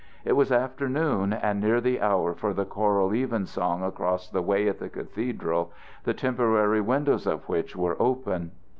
It was afternoon and near the hour for the choral even song across the way at the cathedral, the temporary windows of which were open.